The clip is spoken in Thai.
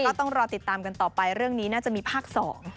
ก็ต้องรอติดตามกันต่อไปเรื่องนี้น่าจะมีภาค๒